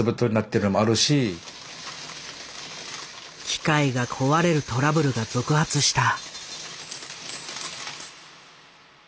機械が壊れるトラブルが続発した。